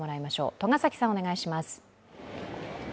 栂崎さん、お願いします。